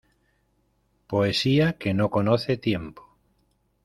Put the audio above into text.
Poesía que no conoce tiempo...